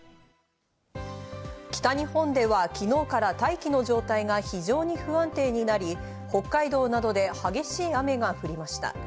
北日本では昨日から大気の状態が非常に不安定になり、北海道などで激しい雨が降りました。